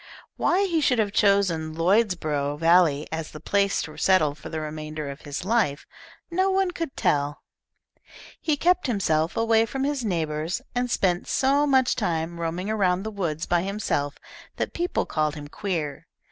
Why he should have chosen Lloydsborough Valley as the place to settle for the remainder of his life, no one could tell. He kept kimself away from his neighbours, and spent so much time roaming around the woods by himself that people called him queer.